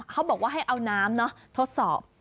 เขาบอกว่าให้เอาน้ำทดสอบ